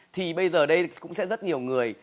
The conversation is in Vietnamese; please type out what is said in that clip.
thì bây giờ đây cũng sẽ rất nhiều người